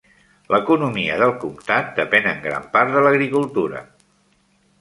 L'economia del comtat depèn en gran part de l'agricultura.